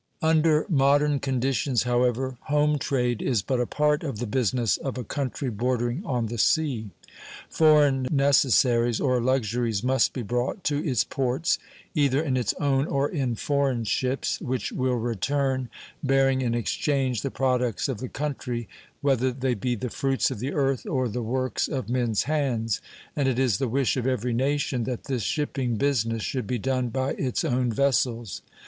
Under modern conditions, however, home trade is but a part of the business of a country bordering on the sea. Foreign necessaries or luxuries must be brought to its ports, either in its own or in foreign ships, which will return, bearing in exchange the products of the country, whether they be the fruits of the earth or the works of men's hands; and it is the wish of every nation that this shipping business should be done by its own vessels.